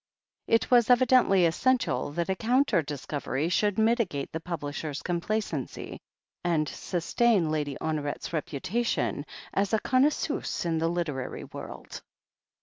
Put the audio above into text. It was evidently essential that a counter discovery should mitigate the publisher's complacency, and sus tain Lady Honoret's reputation as a connaisseuse in the literary world.